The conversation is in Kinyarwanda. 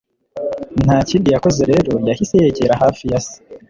ntakindi yakoze rero, yahise yegera hafi yase